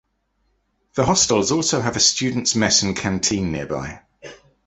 The hostels also have a student's mess and canteen nearby.